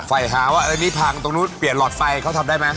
ไปหาว่านี่พังตรงนู้นเปลี่ยนหลอดไฟเขาทำได้ไหม